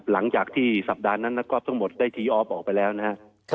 หลังจากที่สัปดาห์นั้นนักกอล์ทั้งหมดได้ทีออฟออกไปแล้วนะครับ